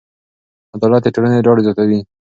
عدالت د ټولنې ډاډ زیاتوي.